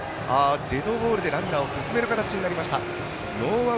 デッドボールでランナーを進める形になりました。